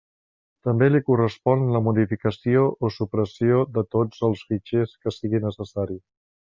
També li correspon la modificació o supressió de tots els fitxers que sigui necessari.